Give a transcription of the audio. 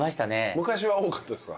昔は多かったですか？